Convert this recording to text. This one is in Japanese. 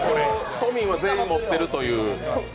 都民は全員持っているという。